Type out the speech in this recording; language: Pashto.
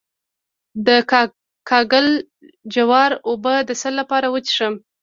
د کاکل جوار اوبه د څه لپاره وڅښم؟